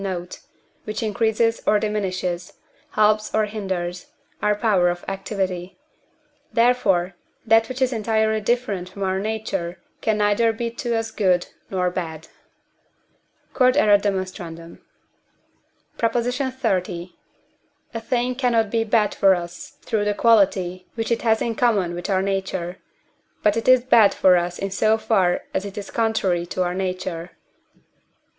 note), which increases or diminishes, helps or hinders, our power of activity; therefore, that which is entirely different from our nature can neither be to us good nor bad. Q.E.D. PROP. XXX. A thing cannot be bad for us through the quality which it has in common with our nature, but it is bad for us in so far as it is contrary to our nature.